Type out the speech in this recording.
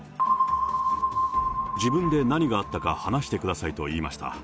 自分で何があったか話してくださいと言いました。